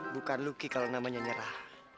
bukan luki kalau namanya nyerah